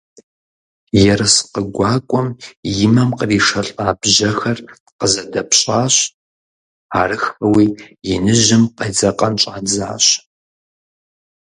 Ерыскъы гуакӀуэм и мэм къришэлӀа бжьэхэр къызэдэпщӀащ, арыххэуи иныжьым къедзэкъэн щӀадзащ.